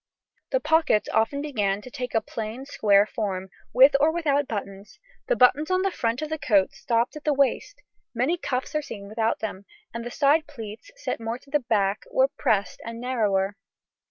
The pockets often began to take a plain square form, with or without buttons; the buttons on the front of the coat stopped at the waist many cuffs are seen without them; and the side pleats, set more to the back, were pressed and narrower.